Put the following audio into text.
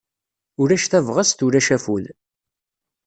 Ulac tabɣest, ulac afud.